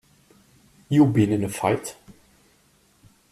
You been in a fight?